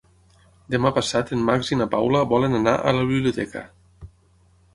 Demà passat en Max i na Paula volen anar a la biblioteca.